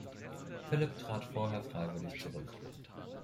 Philipp trat vorher freiwillig zurück.